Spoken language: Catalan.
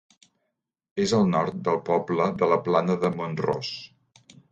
És al nord del poble de la Plana de Mont-ros.